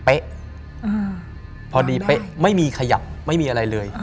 พอดีเป๊ะไม่มีขยับไม่มีอะไรเลย